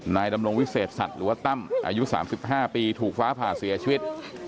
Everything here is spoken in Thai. นายดำรงวิเศษสัตว์หรือว่าตั้มอายุ๓๕ปีถูกฟ้าผ่าเสียชีวิต